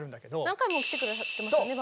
何回も来て下さってますよね